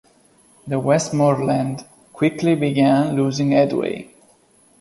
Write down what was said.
The "Westmoreland" quickly began losing headway.